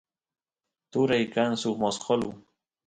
turay kan suk mosqolu